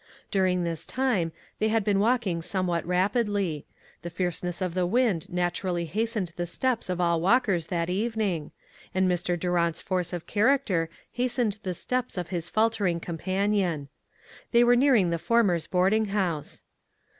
During this time, they had been walking somewhat rapidly ; the fierceness of the wind naturally hastened the steps of all walkers that evening, and Mr. Durant's force of character hastened the steps of his faltering companion. They were nearing the former's boarding house.